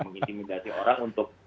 menginitimidasi orang untuk